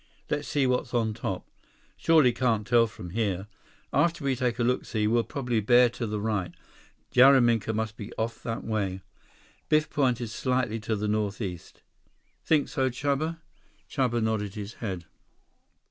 "Let's see what's on top. Surely can't tell from here. After we take a look see, we'll probably bear to the right. Jaraminka must be off that way." Biff pointed slightly to the northeast. "Think so, Chuba?" Chuba nodded his head.